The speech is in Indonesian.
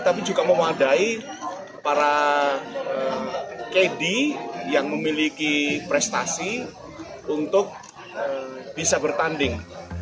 tapi juga memadai para kd yang memiliki prestasi untuk bisa bertanding